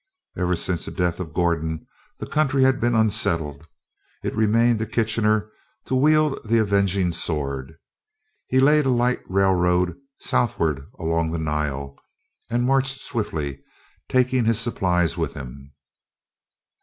Ever since the death of Gordon, the country had been unsettled. It remained to Kitchener to wield the avenging sword. He laid a light railroad southward along the Nile, and marched swiftly, taking his supplies with him.